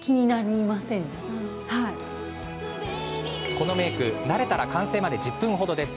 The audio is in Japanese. このメーク慣れたら完成まで１０分程です。